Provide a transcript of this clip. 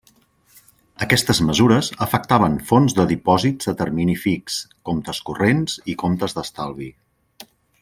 Aquestes mesures afectaven fons de dipòsits a termini fix, comptes corrents i comptes d'estalvi.